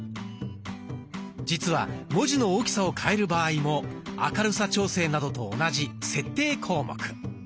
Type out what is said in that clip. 実は文字の大きさを変える場合も明るさ調整などと同じ設定項目。